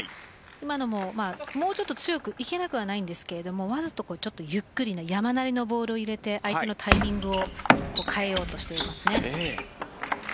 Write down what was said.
今のももうちょっと強くいけなくはないんですがわざと、ゆっくりな山なりのボールを入れて相手のタイミングを変えようとしているんですね。